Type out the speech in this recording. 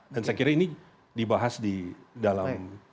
dan saya kira ini dibahas di dalam